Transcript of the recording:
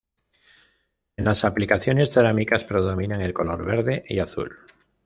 En las aplicaciones cerámicas predominan el color verde y azul.